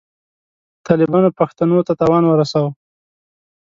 طالبانو پښتنو ته تاوان ورساوه.